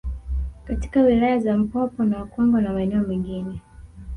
Katika wilaya za Mpwapwa na Kongwa na maeneo mengine